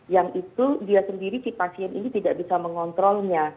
yang itu dia sendiri si pasien ini tidak bisa mengontrolnya